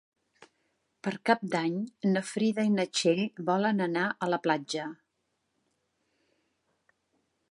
Per Cap d'Any na Frida i na Txell volen anar a la platja.